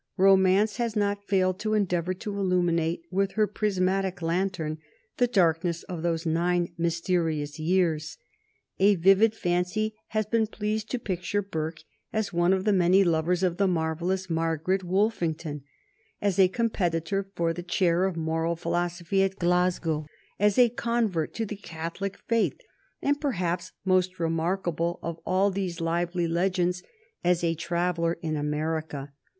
Romance has not failed to endeavor to illuminate with her prismatic lantern the darkness of those nine mysterious years. A vivid fancy has been pleased to picture Burke as one of the many lovers of the marvellous Margaret Woffington, as a competitor for the chair of Moral Philosophy at Glasgow, as a convert to the Catholic faith, and, perhaps most remarkable of all these lively legends, as a traveller in America.